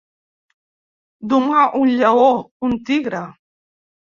Domar un lleó, un tigre.